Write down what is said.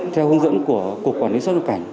theo hướng dẫn của cục quản lý xuất nhập cảnh